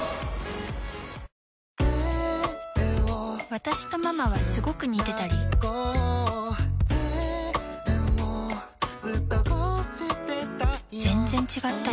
私とママはスゴく似てたり全然違ったり